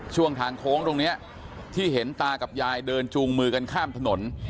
ช่วงทางโค้งตรงนี้ที่เห็นตากับยายเดินจูงมือกันข้ามถนน